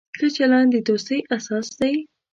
ښه چلند د دوستۍ اساس دی.